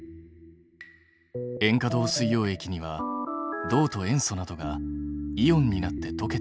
塩化銅水溶液には銅と塩素などがイオンになって溶けている。